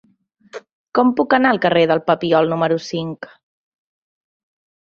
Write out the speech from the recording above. Com puc anar al carrer del Papiol número cinc?